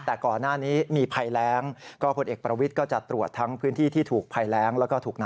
แต่ก่อนหน้านี้มีภัยแร้ง